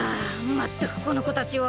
まったくこの子たちは。